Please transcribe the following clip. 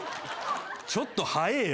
ちょっと早えよ。